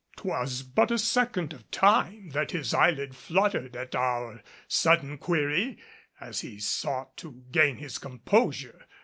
'Twas but a second of time that his eyelid fluttered at our sudden query as he sought to gain his composure.